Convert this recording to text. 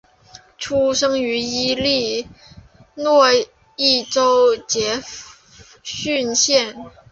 出生于伊利诺伊州杰佛逊县。